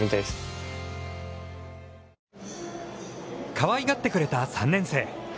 かわいがってくれた３年生。